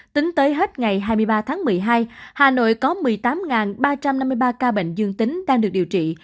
tính tới hết ngày hai mươi ba tháng một mươi hai hà nội có một mươi tám ba trăm năm mươi ba ca bệnh dương tính đang được điều trị